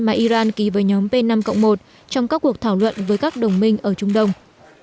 mà iran ký với nhóm p năm một trong các cuộc thảo luận với các đồng minh ở trung đông